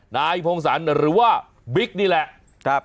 นายพงศรหรือว่าบิ๊กนี่แหละ